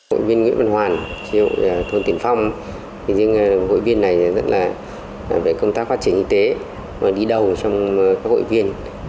hội viên nguyễn văn hoàn chủ yếu thuận tỉnh phong hội viên này là công tác phát triển y tế đi đầu trong các hội viên